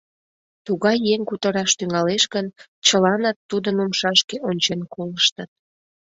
Тугай еҥ кутыраш тӱҥалеш гын, чыланат тудын умшашке ончен колыштыт.